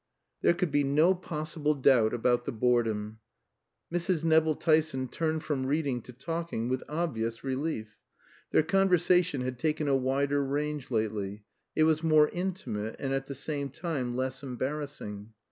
There could be no possible doubt about the boredom. Mrs. Nevill Tyson turned from reading to talking with obvious relief. Their conversation had taken a wider range lately; it was more intimate, and at the same time less embarrassing.